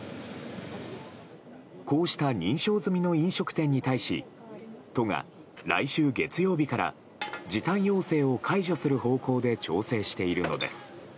こうした認証済みの飲食店に対し都が来週月曜日から時短要請を解除する方向で調整しているのです。